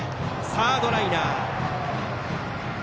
サードライナー。